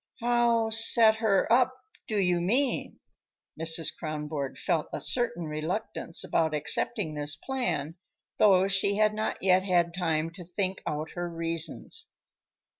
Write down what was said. "How set her up, do you mean?" Mrs. Kronborg felt a certain reluctance about accepting this plan, though she had not yet had time to think out her reasons.